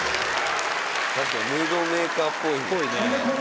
確かにムードメーカーっぽい。